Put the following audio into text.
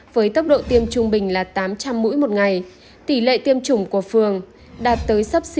với tốc độ tiêm trung bình là tám trăm linh mũi một ngày tỷ lệ tiêm chủng của phường đạt tới sắp xỉ chín mươi năm